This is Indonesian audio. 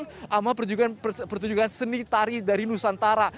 sama pertunjukan seni tari dari nusantara